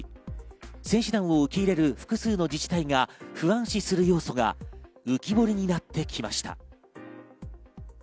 選手団を受け入れる複数の自治体が不安視する要素が浮き彫りになってきました。